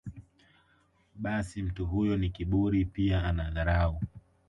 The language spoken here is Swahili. basi mtu huyo ni kiburi pia ana dharau